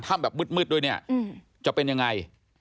แบบมืดด้วยเนี่ยจะเป็นยังไง